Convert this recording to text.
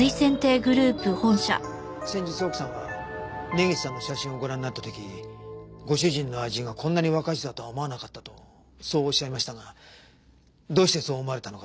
先日奥さんは根岸さんの写真をご覧になった時ご主人の愛人がこんなに若い人だとは思わなかったとそうおっしゃいましたがどうしてそう思われたのかと。